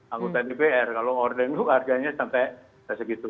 anggota dpr kalau ordernya harganya sampai segitu